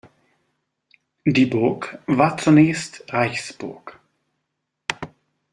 Die Burg war zunächst Reichsburg.